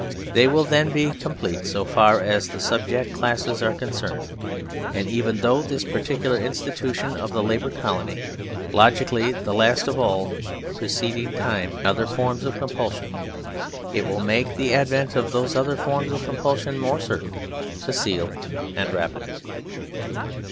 They will then be complete so far as the subject classes are concerned, and even though this particular institu tion of the " Labour Colony " (logically the last of all) precede in time other forms of compulsion, it will make the advent of those other forms of compulsion more certain, facile, and rapid.